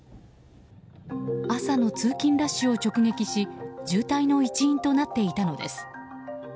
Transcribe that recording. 朝の通勤ラッシュを直撃し渋滞の一因となっていたのです。